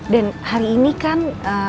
dan hari ini kan